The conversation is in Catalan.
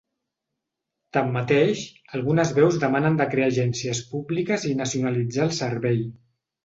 Tanmateix, algunes veus demanen de crear agències públiques i nacionalitzar el servei.